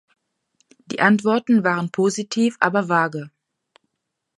Die Antworten waren positiv aber vage.